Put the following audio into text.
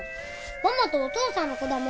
ママとお父さんの子だもん。